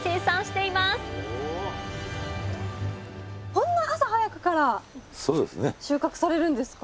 こんな朝早くから収穫されるんですか？